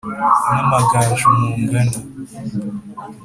N'amagaju mungana